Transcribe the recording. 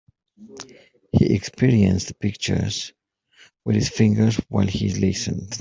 He experienced the pictures with his fingers while he listened.